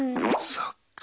そっか。